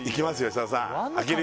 設楽さん